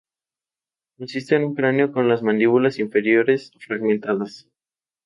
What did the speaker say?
Existen pocos estudios sobre las complicaciones de la pica.